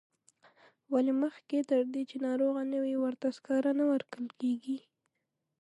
ولې مخکې تر دې چې ناروغه نه وي ورته سکاره نه ورکول کیږي.